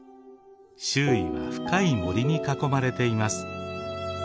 周囲は深い森に囲まれています。